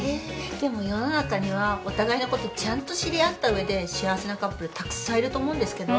でも世の中にはお互いのことちゃんと知り合った上で幸せなカップルたくさんいると思うんですけど。